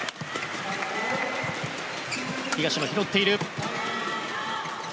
東野、拾っている。